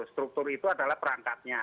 struktur itu adalah perangkatnya